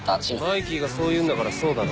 「マイキーがそう言うんだからそうだろ」